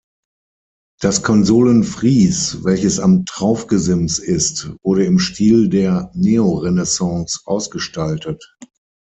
Das Konsolenfries, welches am Traufgesims ist, wurde im Stil der Neorenaissance ausgestaltet.